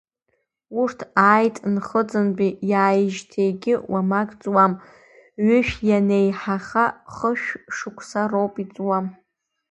Урҭ ааит Нхыҵынтәи, иааижьҭегьы уамак ҵуам, ҩышә ианеиҳаха хышә шықәса роуп иҵуа.